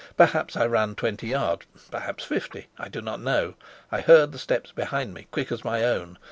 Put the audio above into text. Perhaps I ran twenty yards, perhaps fifty; I do not know. I heard the steps behind me, quick as my own.